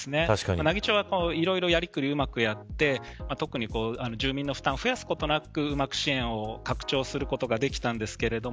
奈義町はいろいろやりくりをうまくやって特に住民の負担を増やすことなくうまく支援を拡張することができたんですけど